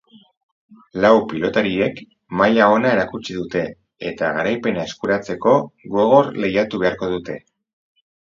Lau pilotariek maila ona erakutsi dute eta garaipena eskuratzeko gogor lehiatu beharko dute.